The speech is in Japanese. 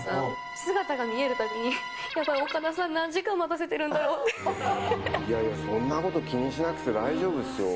姿が見えるたびに、やばい、岡田さん、何時間待たせてるんだいやいや、そんなこと気にしなくて大丈夫っすよ。